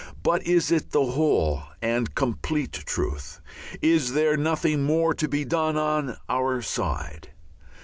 But is it the whole and complete truth? Is there nothing more to be done on our side?